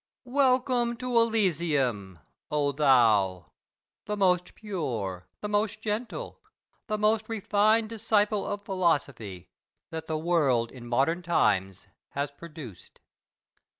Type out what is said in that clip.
Welcome to Elysium, O thou, the most pure, the most gentle, the most refined disciple of philosophy that the world in modern times has produced!